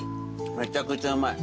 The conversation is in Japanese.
めちゃくちゃうまい。